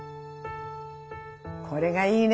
これがいいね